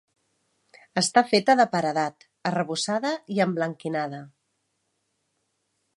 Està feta de paredat, arrebossada i emblanquinada.